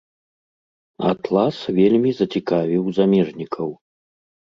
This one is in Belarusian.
Атлас вельмі зацікавіў замежнікаў.